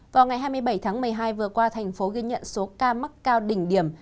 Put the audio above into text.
vào ngày hai mươi bảy tháng một mươi hai vừa qua thành phố ghi nhận số ca mắc cao đỉnh điểm